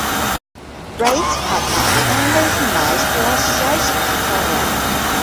Wright's partner in this match was George Borwick.